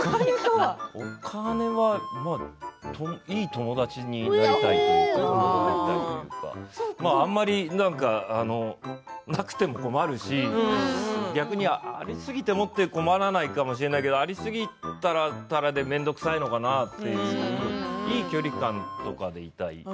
お金はいい友達になりたいというかあまりなくても困るしありすぎても困らないかもしれないけれどありすぎたら面倒くさいのかなといい距離感でいたいなと。